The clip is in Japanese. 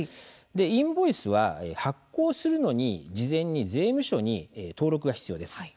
インボイスは発行するのに事前に税務署に登録が必要です。